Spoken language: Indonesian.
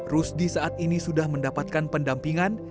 rusdi saat ini sudah mendapatkan pendampingan